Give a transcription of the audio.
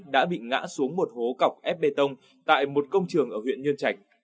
đã bị ngã xuống một hố cọc ép bê tông tại một công trường ở huyện nhơn trạch